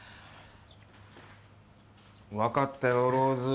分かったよ、ローズ。